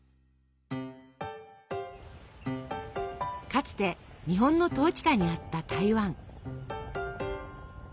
かつて日本の統治下にあった台湾。